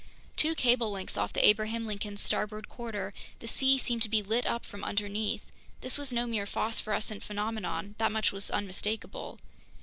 Two cable lengths off the Abraham Lincoln's starboard quarter, the sea seemed to be lit up from underneath. This was no mere phosphorescent phenomenon, that much was unmistakable.